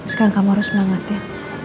sekarang kamu harus semangat ya